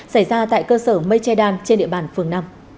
xảy ra tại cơ sở mây che đan trên địa bàn phường năm